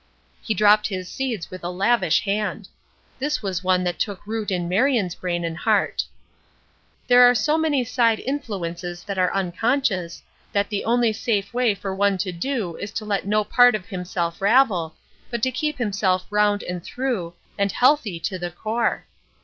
He dropped his seeds with lavish hand. This was one that took root in Marion's brain and heart: "There are so many side influences that are unconscious, that the only safe way for one to do is to let no part of himself ravel, but to keep himself round and thorough, and healthy to the core."